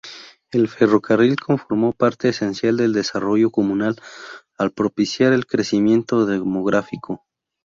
El ferrocarril conformó parte esencial del desarrollo comunal, al propiciar el crecimiento demográfico.